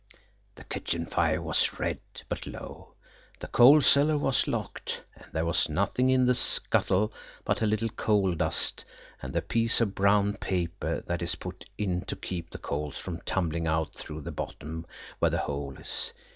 The kitchen fire was red, but low; the coal cellar was locked, and there was nothing in the scuttle but a little coal dust and the piece of brown paper that is put in to keep the coals from tumbling out through the bottom where the hole is.